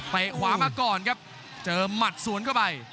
ขวามาก่อนครับเจอหมัดสวนเข้าไป